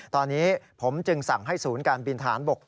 ตอนนี้ผมจึงสั่งให้ศูนย์การบินทหารบก